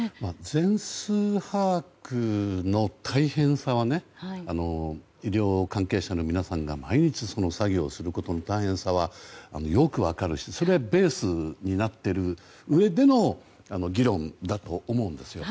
全数把握の大変さは医療関係者の皆さんが毎日その作業をすることの大変さはよく分かるし、それがベースになっているうえでの議論だと思うんですよ。